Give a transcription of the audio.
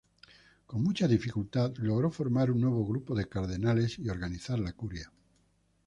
Con mucha dificultad logró formar un nuevo grupo de cardenales y organizar la curia.